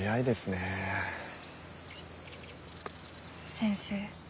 先生？